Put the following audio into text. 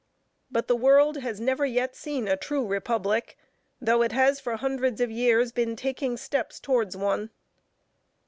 But the world has never yet seen a true republic, though it has for hundreds of years been taking steps towards one.